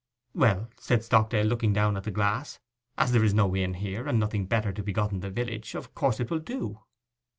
'Well,' said Stockdale, looking down at the glass, 'as there is no inn here, and nothing better to be got in the village, of course it will do.